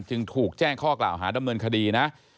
จึงถูกแจ้งข้อกล่าวหาดำเนินคดีนะ